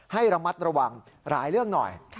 ให้ระมัดระวังหลายเรื่องหน่อย